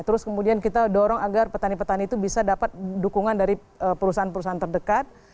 terus kemudian kita dorong agar petani petani itu bisa dapat dukungan dari perusahaan perusahaan terdekat